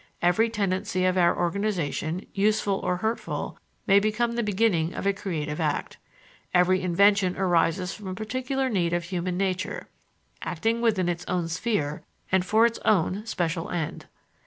Every tendency of our organization, useful or hurtful, may become the beginning of a creative act. Every invention arises from a particular need of human nature, acting within its own sphere and for its own special end.